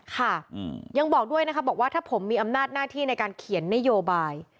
ค่ะยังบอกด้วยนะคะบอกว่าถ้าผมมีอำนาจหน้าที่ในการเขียนนโยบาย